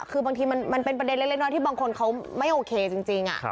คือบางทีมันเป็นประเด็นเล็กน้อยที่บางคนเขาไม่โอเคจริง